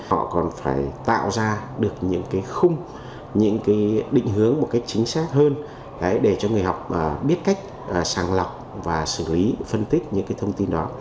họ còn phải tạo ra được những cái khung những cái định hướng một cách chính xác hơn để cho người học biết cách sàng lọc và xử lý phân tích những cái thông tin đó